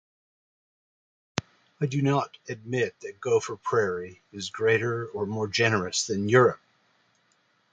I do not admit that Gopher Prairie is greater or more generous than Europe!